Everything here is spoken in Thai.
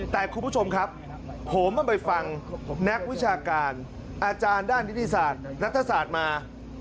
แต่คุณผู้ชมครับผมมันไปฟังนักวิชาการอาจารย์ด้านนิติศาสตร์นัทศาสตร์มา